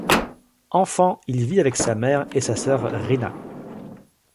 Enfant, il vit avec sa mère et sa sœur Rina.